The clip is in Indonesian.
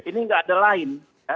ini nggak ada lain